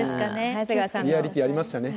リアリティーありますよね。